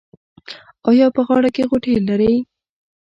ایا په غاړه کې غوټې لرئ؟